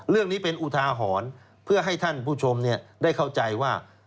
เรื่องนี้เป็นอุทาหรณ์เพื่อให้ท่านผู้ชมได้เข้าใจว่า